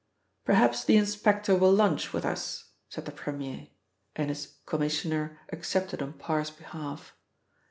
"Perhaps the inspector will lunch with us," said the Premier, and his Commissioner accepted on Parr's behalf.